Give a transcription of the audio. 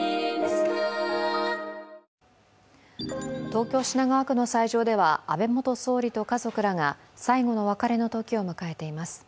東京・品川区の斎場では安倍元総理と家族らが最後の別れの時を迎えています。